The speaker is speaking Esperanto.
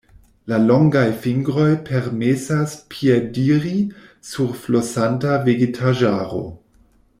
La longaj fingroj permesas piediri sur flosanta vegetaĵaro.